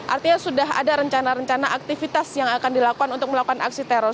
artinya sudah ada rencana rencana aktivitas yang akan dilakukan untuk melakukan aksi teror